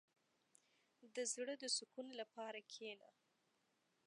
• د زړۀ د سکون لپاره کښېنه.